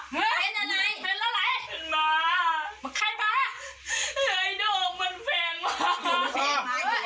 มันไม่เป็นไรมันเป็นอยู่ข้างหลัง